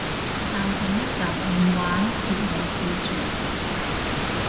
暫停一陣唔玩揭尾故住